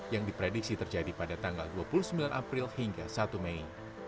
yang diprediksi terjadi pada tanggal dua puluh sembilan april hingga satu mei